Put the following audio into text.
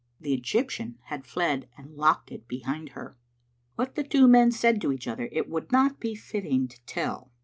The Egyptian had fled and locked it behind her. What the two men said to each other, it would not be fitting to tell.